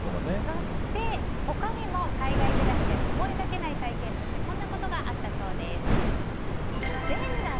そして、他にも海外暮らしでの思いがけない経験としてこういったことがあったそうです。